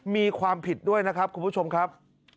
มีความผิดด้วยนะครับคุณผู้ชมครับ